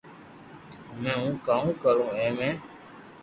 ھمي ھون ڪاوُ ڪرو اي مي